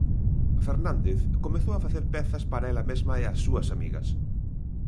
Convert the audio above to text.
Fernández comezou a facer pezas para ela mesma e as súas amigas.